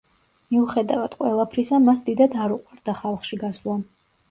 მიუხედავად ყველაფრისა, მას დიდად არ უყვარდა ხალხში გასვლა.